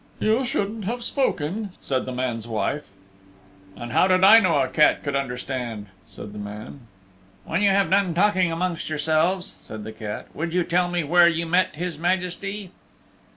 "You shouldn't have spoken," said the man's wife. "And how did I know a cat could understand?" said the man. "When you have done talking amongst yourselves," said the cat, "would you tell me where you met His Majesty?"